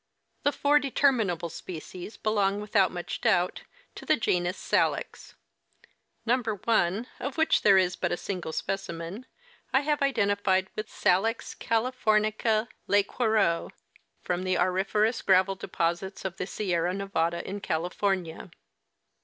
" The four determinable species belong, without much doubt, to the genus Saliv. Number 1, of which there is but a single specimen, I have identified with Salix californica, Lesquereux, from the auriferous gravel deposits of the Sierra Nevada in California.